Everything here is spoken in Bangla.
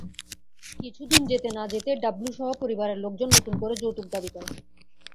কিছুদিন যেতে না-যেতেই ডাবলুসহ পরিবারের লোকজন নতুন করে যৌতুক দাবি করে।